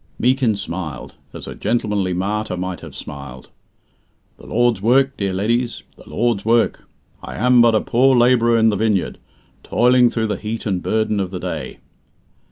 Meekin smiled, as a gentlemanly martyr might have smiled. "The Lord's work, dear leddies the Lord's work. I am but a poor labourer in the vineyard, toiling through the heat and burden of the day."